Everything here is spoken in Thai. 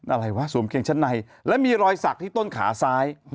อะไรวะสวมเกียงชั้นในและมีรอยสักที่ต้นขาซ้าย